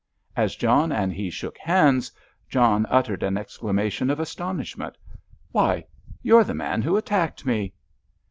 As John and he shook hands, John uttered an exclamation of astonishment. "Why, you're the man who attacked me!"